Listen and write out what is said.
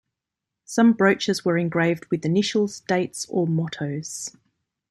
Some brooches were engraved with initials, dates or mottoes.